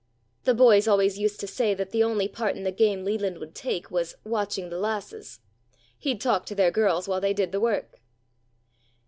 The boys always used to say that the only part in the game Leland would take was watching the lasses. He'd talk to their girls while they did the work."